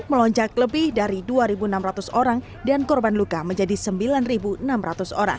melonjak lebih dari dua enam ratus orang dan korban luka menjadi sembilan enam ratus orang